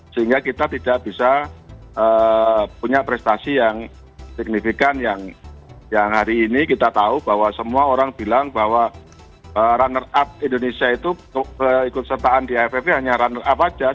sehingga kita tidak bisa punya prestasi yang signifikan yang hari ini kita tahu bahwa semua orang bilang bahwa runner up indonesia itu ikut sertaan di aff hanya runner up aja